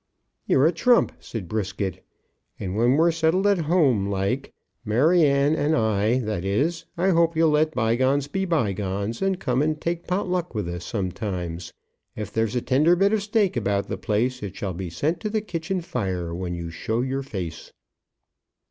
"You're a trump," said Brisket; "and when we're settled at home like, Maryanne and I that is, I hope you'll let bygones be bygones, and come and take pot luck with us sometimes. If there's a tender bit of steak about the place it shall be sent to the kitchen fire when you show your face."